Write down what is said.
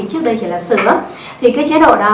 trước đây chỉ là sửa thì cái chế độ đó